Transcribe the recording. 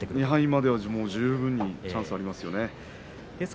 ２敗までは十分にチャンスがありますよね。